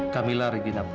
kamilah regina putri